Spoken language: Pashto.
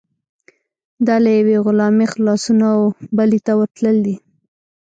دا له یوې غلامۍ خلاصون او بلې ته ورتلل دي.